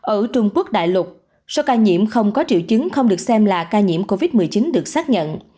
ở trung quốc đại lục số ca nhiễm không có triệu chứng không được xem là ca nhiễm covid một mươi chín được xác nhận